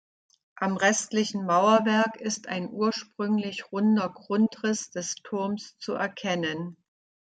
Am restlichen Mauerwerk ist ein ursprünglich runder Grundriss des Turms zu erkennen.